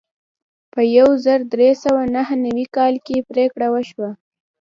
په یو زر درې سوه نهه نوي کال کې پریکړه وشوه.